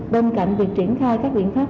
bên cạnh việc triển khai các biện pháp